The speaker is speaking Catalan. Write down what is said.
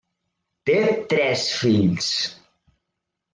Té tres fills.